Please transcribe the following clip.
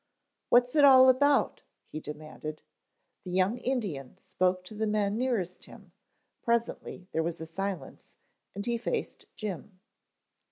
"What's it all about?" he demanded. The young Indian spoke to the men nearest him; presently there was a silence, and he faced Jim.